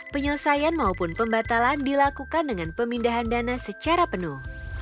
penyelesaian maupun pembatalan dilakukan dengan pemindahan dana secara penuh